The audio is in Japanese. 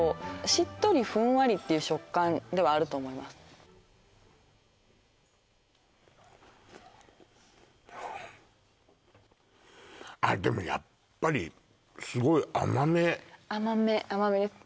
しっとりふんわりっていう食感ではあると思いますでもやっぱりすごい甘め甘め甘めです